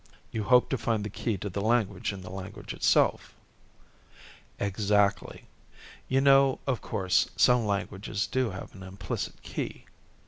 "You hoped to find the key to the language in the language itself?" "Exactly. You know, of course, some languages do have an implicit key?